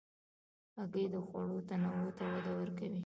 هګۍ د خوړو تنوع ته وده ورکوي.